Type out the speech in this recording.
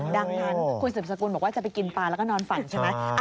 ดังนั้นคุณสืบสกุลบอกว่าจะไปกินปลาแล้วก็นอนฝันใช่ไหม